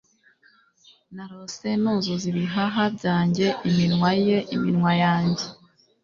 narose, nuzuza ibihaha byanjye - iminwa ye, iminwa yanjye